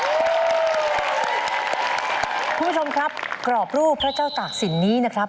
คุณผู้ชมครับกรอบรูปพระเจ้าตากศิลป์นี้นะครับ